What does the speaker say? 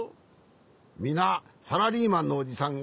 みなサラリーマンのおじさんがわるいと？